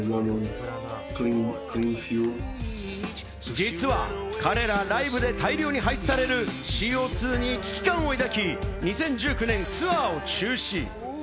実は彼ら、ライブで大量に排出されるＣＯ２に危機感を抱き、２０１９年ツアーを中止。